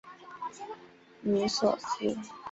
尼索斯。